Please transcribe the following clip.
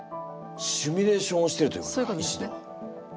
シミュレーションをしてるということか？